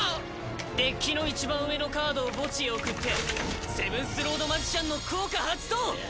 デッキのいちばん上のカードを墓地へ送ってセブンスロード・マジシャンの効果発動！